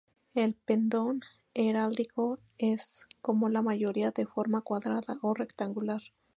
El pendón heráldico es, como la mayoría, de forma cuadrada o rectangular.